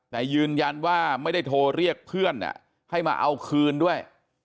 แต่ยืนยันว่าไม่ได้โทรเรียกเพื่อนให้มาเอาคืนด้วย